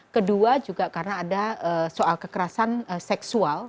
kedua juga karena ada soal kekerasan seksual